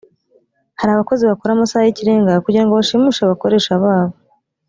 hari abakozi bakora amasaha y ikirenga kugira ngo bashimishe abakoresha babo